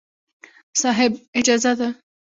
صاحب! اجازه ده.